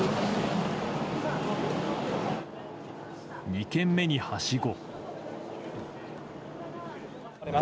２軒目にはしご。